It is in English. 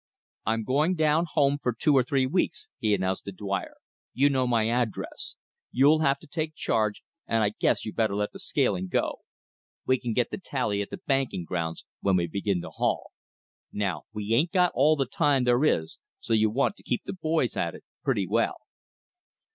"I'm going down home for two or three weeks," he announced to Dyer, "you know my address. You'll have to take charge, and I guess you'd better let the scaling go. We can get the tally at the banking grounds when we begin to haul. Now we ain't got all the time there is, so you want to keep the boys at it pretty well."